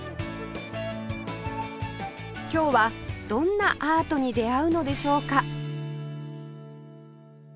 今日はどんなアートに出会うのでしょうか？